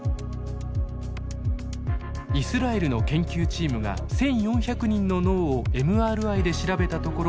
イスラエルの研究チームが１，４００人の脳をＭＲＩで調べたところ